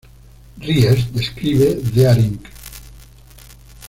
Ries describe There Inc.